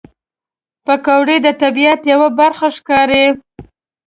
پکورې د طبیعت یوه برخه ښکاري